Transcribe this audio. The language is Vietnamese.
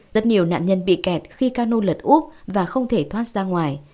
rất nhiều nạn nhân bị kẹt khi cano lật úp và không thể thoát ra ngoài